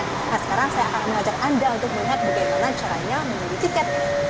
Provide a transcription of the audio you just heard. nah sekarang saya akan mengajak anda untuk melihat bagaimana caranya membeli tiket